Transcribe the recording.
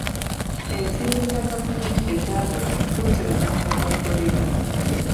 Ensimbi za gavumenti ezaabula gufuuse musango gwa poliisi.